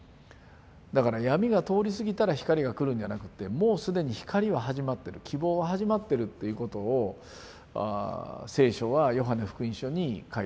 だから闇が通り過ぎたら光が来るんじゃなくってもう既に光は始まってる希望は始まってるっていうことを聖書は「ヨハネ福音書」に書いた。